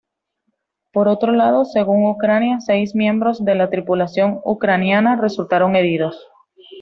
Por otro lado, según Ucrania, seis miembros de la tripulación ucraniana resultaron heridos.